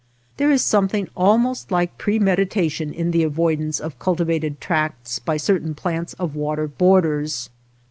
There is something almost like premeditation in the avoidance of cul tivated tracts by certain plants of water borders.